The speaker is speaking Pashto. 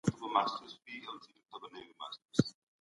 ميرويس خان نيکه د خپلو سرتېرو مورال څنګه لوړ ساته؟